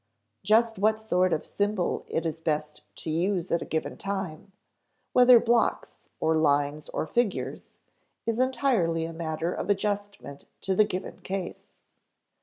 Just what sort of symbol it is best to use at a given time whether blocks, or lines, or figures is entirely a matter of adjustment to the given case.